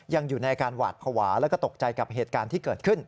ยังอยู่ในอาการหวาดภาวะแล้วก็ตกใจกับเหตุการณ์ที่เกิดขึ้น